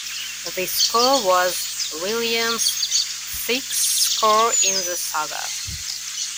The score was Williams' sixth score in the saga.